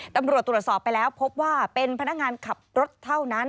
ตำรวจตรวจสอบไปแล้วพบว่าเป็นพนักงานขับรถเท่านั้น